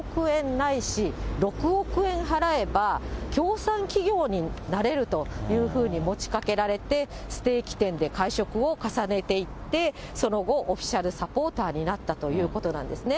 ないし６億円払えば、協賛企業になれるというふうに持ちかけられて、ステーキ店で会食を重ねていって、その後、オフィシャルサポーターになったということなんですね。